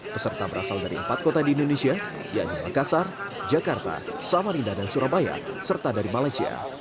peserta berasal dari empat kota di indonesia yakni makassar jakarta samarinda dan surabaya serta dari malaysia